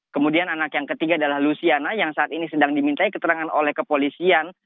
kemudian anak yang ketiga adalah luciana yang saat ini sedang dimintai keterangan oleh kepolisian